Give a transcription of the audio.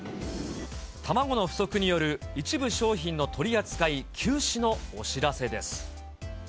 卵の不足による一部商品の取り扱い休止のお知らせです。